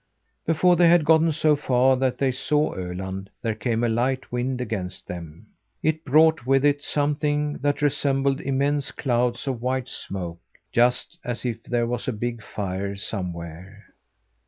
Before they had gotten so far that they saw Öland, there came a light wind against them. It brought with it something that resembled immense clouds of white smoke just as if there was a big fire somewhere.